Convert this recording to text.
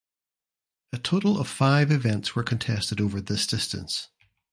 A total of five events were contested over this distance.